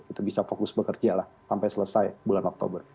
itu bisa fokus bekerja lah sampai selesai bulan oktober